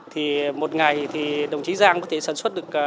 thì một ngày thì đồng chí giang có thể sản xuất được